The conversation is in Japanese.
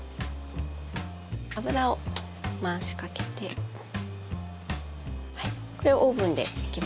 油を回しかけてこれをオーブンで焼きます。